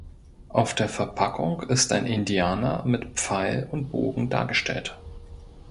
Auf der Verpackung ist ein Indianer mit Pfeil und Bogen dargestellt.